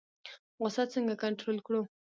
غوسه څنګه کنټرول کړو؟